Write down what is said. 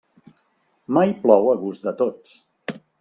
Mai plou a gust de tots.